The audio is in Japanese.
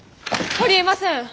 ありえません！